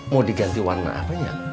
mau diganti warna apanya